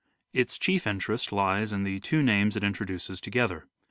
Its chief interest lies in the two names it introduces together.